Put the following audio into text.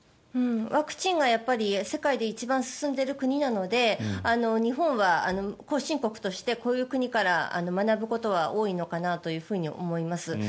ワクチンが世界で一番進んでいる国なので日本は後進国としてこういう国から学ぶことは多いのかなと思います。